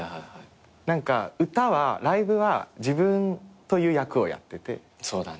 何か歌はライブは自分という役をやっててみたいな。